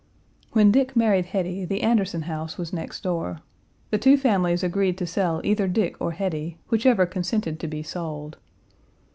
When Dick married Hetty, the Anderson house was next door. The two families agreed to sell either Dick or Hetty, whichever consented to be sold.